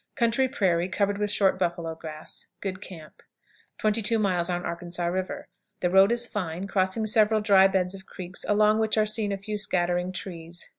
Country prairie, covered with short buffalo grass. Good camp. 22. Arkansas River. The road is fine, crossing several dry beds of creeks, along which are seen a few scattering trees.